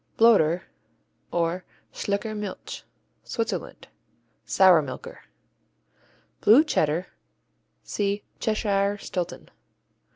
Bloder, or Schlicker Milch Switzerland Sour milker. Blue Cheddar see Cheshire Stilton.